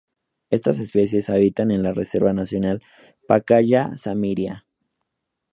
Estas especies habitan en la reserva nacional Pacaya-Samiria.